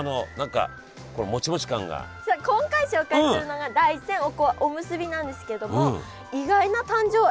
さあ今回紹介するのが大山おこわおむすびなんですけどもえっ！？